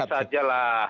ya lebih saja lah